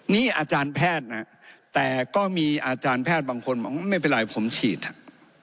นี่อาจารย์แพทย์นะแต่ก็มีอาจารย์แพทย์บางคนบอกไม่เป็นไรผมฉีดอ่ะ